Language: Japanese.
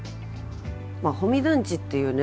保見団地っていうね